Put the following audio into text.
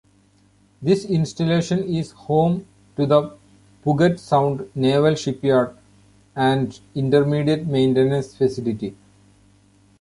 This installation is home to the Puget Sound Naval Shipyard and Intermediate Maintenance Facility.